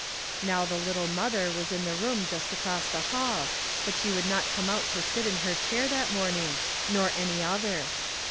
Now the little mother was in the room just across the hall, but she would not come out to sit in her chair that morning, nor any other.